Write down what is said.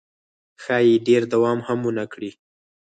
ښایي ډېر دوام هم ونه کړي.